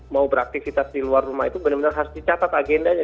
mau beraktivitas di luar rumah itu benar benar harus dicatat agendanya